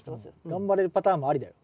頑張れるパターンもありだよ。